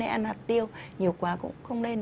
hay ăn hạt tiêu nhiều quá cũng không lên